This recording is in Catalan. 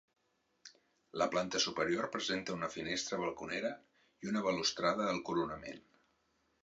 La planta superior presenta una finestra balconera i una balustrada al coronament.